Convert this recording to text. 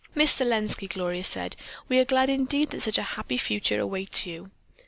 "Miss Selenski," Gloria said, "we are glad indeed that such a happy future awaits you."